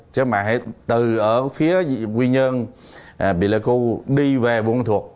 chứ mà hãy từ ở phía quy nhơn bị lợi cưu đi về buôn mô thuộc